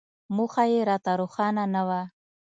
موخه یې راته روښانه نه وه.